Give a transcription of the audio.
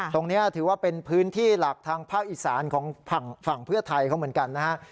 ตรงนี้ถือว่าเป็นพื้นที่หลักทางภาคอีสานของฝั่งเพื่อไทยเขาเหมือนกันนะฮะ